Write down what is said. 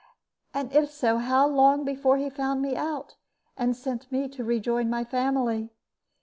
And if so, how long before he found me out, and sent me to rejoin my family?